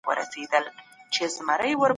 رسول الله ص په عدل ټینګار کاوه.